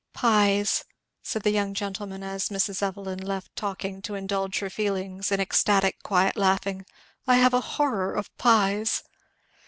"Pies!" said the young gentleman, as Mrs. Evelyn left talking to indulge her feelings in ecstatic quiet laughing, "I have a horror of pies!"